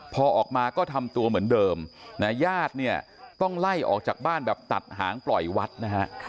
พอออกมาก็ทำตัวเหมือนเดิมนะญาติเนี่ยต้องไล่ออกจากบ้านแบบตัดหางปล่อยวัดนะฮะ